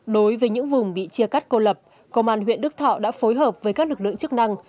đối với những vùng bị chia cắt cô lập công an huyện đức thọ đã phối hợp với các lực lượng chức năng